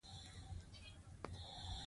د پښتنو کلتور د افغانستان د ویاړ نښه ده.